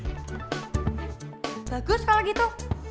bagus kalau gitu